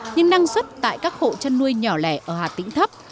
nhưng năng suất tại các hộ chăn nuôi nhỏ lẻ ở hà tĩnh thấp